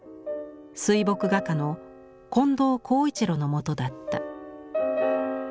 水墨画家の近藤浩一路のもとだった。